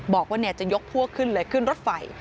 บอกว่าจะยกพวกขึ้นเลยขึ้นรถไฟ